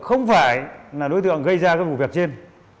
không phải là đối tượng gây ra cái vụ việc trên